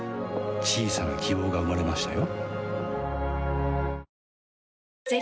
小さな希望が生まれましたよ